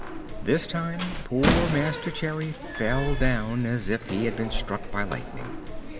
This time poor Master Cherry fell down as if he had been struck by lightning.